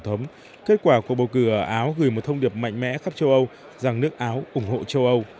ở áo gửi một thông điệp mạnh mẽ khắp châu âu rằng nước áo ủng hộ châu âu